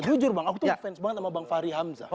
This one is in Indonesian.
jujur bang aku tuh fans banget sama bang fahri hamzah